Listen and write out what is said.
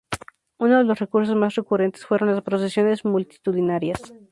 Uno de los recursos más recurrentes fueron las procesiones multitudinarias.